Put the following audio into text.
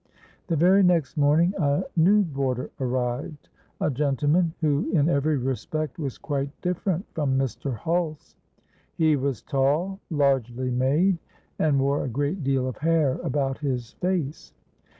The very next morning a new boarder arrived—a gentleman who in every respect was quite different from Mr. Hulse. He was tall, largely made, and wore a great deal of hair about his face.